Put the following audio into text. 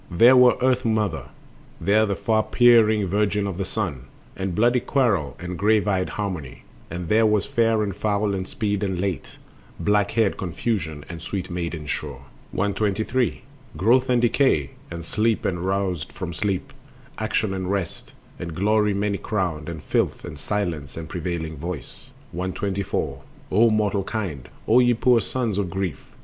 There was Earth mother, There the far peering Virgin of the Sun, And bloody Quarrel and grave eyed Harmony, And there was Fair and Foul and Speed and Late, Black haired Confusion and sweet maiden Sure. 123. Growth and Decay, and Sleep and Roused from sleep, Action and Rest, and Glory many crowned, And Filth, and Silence and prevailing Voice. 124. O mortal kind! O ye poor sons of grief!